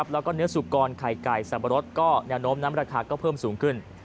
แล้วก็เนื้อสุกรไข่ไก่สับปะรดก็แนวโน้มนั้นราคาก็เพิ่มสูงขึ้น